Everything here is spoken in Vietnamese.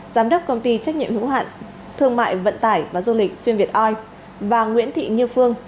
giám đốc công ty trách nhiệm hữu hạn thương mại vận tải và du lịch xuyên việt oi và nguyễn thị như phương